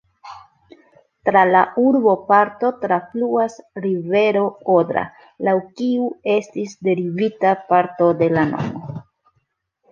Tra la urboparto trafluas rivero Odra, laŭ kiu estis derivita parto de la nomo.